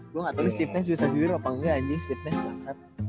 gua gatau steve ness bisa dribble apa engga anjing steve ness maksat